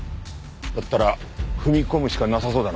だったら踏み込むしかなさそうだな。